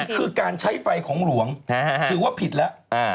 คือการใช้ไฟของหลวงถือว่าผิดแล้ว